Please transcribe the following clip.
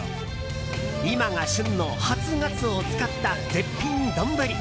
今が旬の初ガツオを使った絶品丼。